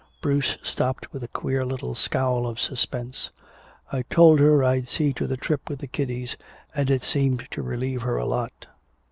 Bruce stopped with a queer little scowl of suspense. "I told her I'd see to the trip with the kiddies, and it seemed to relieve her a lot."